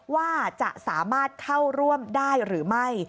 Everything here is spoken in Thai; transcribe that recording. ว่าจะสามารถเข้าร่วมได้หรือไม่